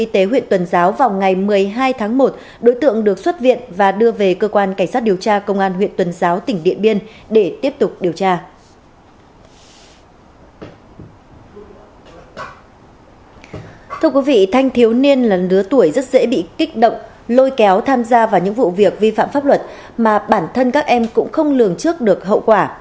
thưa quý vị thanh thiếu niên là đứa tuổi rất dễ bị kích động lôi kéo tham gia vào những vụ việc vi phạm pháp luật mà bản thân các em cũng không lường trước được hậu quả